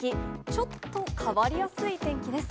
ちょっと変わりやすい天気です。